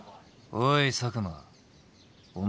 おい佐久間お前